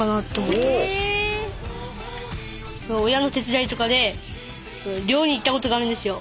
親の手伝いとかで漁に行ったことがあるんですよ。